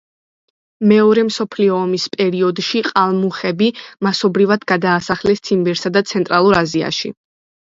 მეორე მსოფლიო ომის პერიოდში ყალმუხები მასობრივად გაასახლეს ციმბირსა და ცენტრალურ აზიაში.